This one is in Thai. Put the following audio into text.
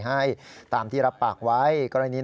นายยกรัฐมนตรีพบกับทัพนักกีฬาที่กลับมาจากโอลิมปิก๒๐๑๖